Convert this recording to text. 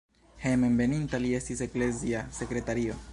Hejmenveninta li estis eklezia sekretario.